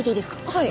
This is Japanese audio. はい。